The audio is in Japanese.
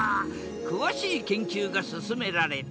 詳しい研究が進められた。